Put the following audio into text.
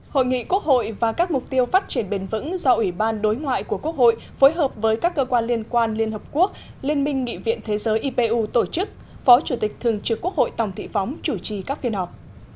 hội nghị quốc hội và các mục tiêu phát triển bền vững do ủy ban đối ngoại của quốc hội phối hợp với các cơ quan liên quan liên hợp quốc liên minh nghị viện thế giới ipu tổ chức phó chủ tịch thường trực quốc hội tòng thị phóng chủ trì các phiên họp